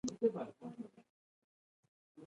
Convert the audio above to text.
ناقص الطرفین، چي د سر او پای برخي ئې له منځه تللي يي.